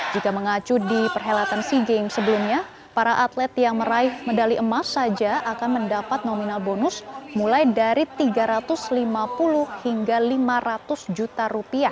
jika mengacu di perhelatan sea games sebelumnya para atlet yang meraih medali emas saja akan mendapat nominal bonus mulai dari rp tiga ratus lima puluh hingga rp lima ratus juta